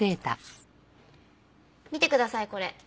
見てくださいこれ。